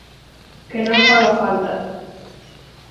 Que non faga falta.